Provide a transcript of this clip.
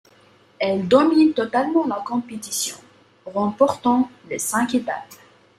Elle domine totalement la compétition, remportant les cinq étapes.